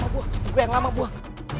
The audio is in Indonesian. buku yang lama buang